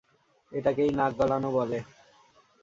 এটাকেই নাক গলানো বলে।